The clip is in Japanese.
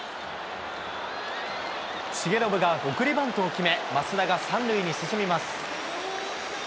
重信が送りバントを決め、増田が３塁に進みます。